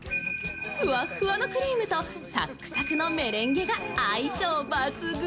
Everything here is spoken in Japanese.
ふわふわのクリームと、サクサクのメレンゲが相性抜群。